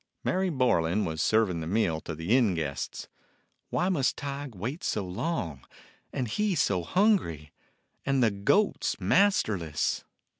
Mary Borlan was serving the meal to the inn guests. Why must Tige wait so long, and he so hungry, and the goats masterless?